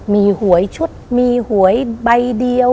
มีหวยชุดมีหวยใบเดียว